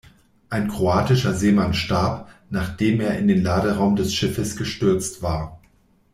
Ein kroatischer Seemann starb, nachdem er in den Laderaum des Schiffes gestürzt war.